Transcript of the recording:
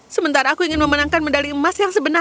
sementara aku ingin memenangkan medali emas yang sebenarnya